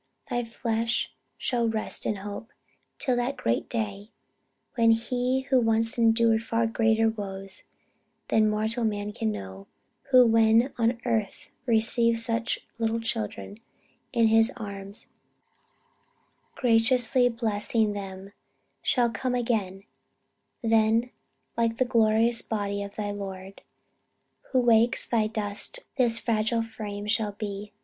Thy flesh shall rest in hope, till that great day When He who once endured far greater woes Than mortal man can know; who when on earth Received such little children in his arms, Graciously blessing them, shall come again; Then like the glorious body of thy Lord Who wakes thy dust, this fragile frame shall be.